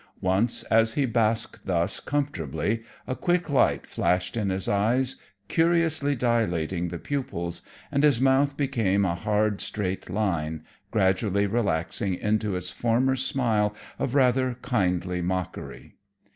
Once, as he basked thus comfortably, a quick light flashed in his eyes, curiously dilating the pupils, and his mouth became a hard, straight line, gradually relaxing into its former smile of rather kindly mockery.